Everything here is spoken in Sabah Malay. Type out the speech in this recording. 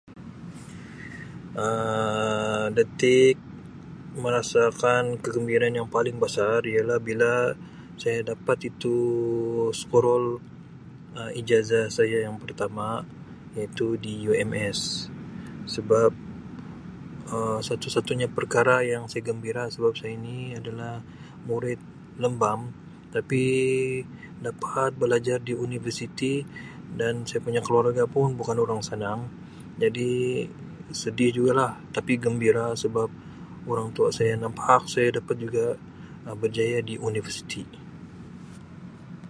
Um Detik masakan kegembiraan yang paling basar ialah bila saya dapat itu scroll ijazah saya yang pertama iaitu di UMS sebab Um satu satunya perkara yang saya gembira sebab saya ini adalah murid lembam tapi dapat belajar di universiti dan saya punya keluarga pun bukan orang senang jadi sedih juga lah tapi gembira sebab orang tua saya nampak saya dapat juga berjaya di universiti.